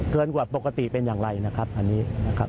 เกินกว่าปกติเป็นอย่างไรอย่างนี้